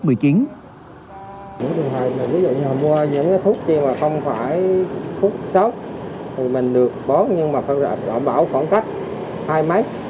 những thuốc không phải thuốc sóc mình được bó nhưng phải bảo khoảng cách hai mét